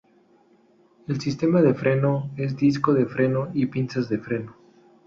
El sistema de freno es de disco de freno y pinzas de freno.